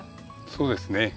そうですね。